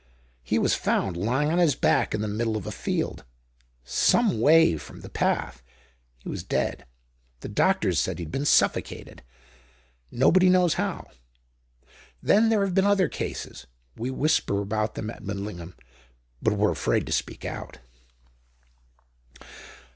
"He was found lying on his back in the middle of a field—some way from the path. He was dead. The doctors said he'd been suffocated. Nobody knows how. Then there have been other cases. We whisper about them at Midlingham, but we're afraid to speak out."